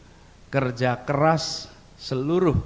militansi kerja keras seluruh negara